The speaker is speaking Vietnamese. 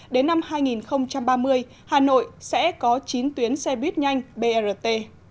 đến năm hai nghìn ba mươi hà nội sẽ có chín tuyến xe buýt nhanh brt